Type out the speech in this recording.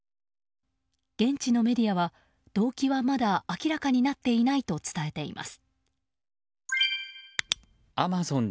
現地のメディアは、動機はまだ明らかになっていないと伝えています。